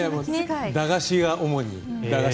駄菓子が主に。